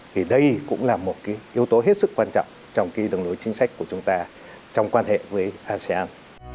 thì đây cũng là một yếu tố hết sức quan trọng trong đường lối chính sách của chúng ta trong quan hệ với asean